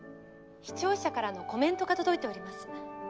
「視聴者からのコメントが届いております」